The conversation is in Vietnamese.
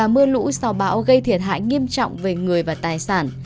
mưa lũ sau bão gây thiệt hại nghiêm trọng về người và tài sản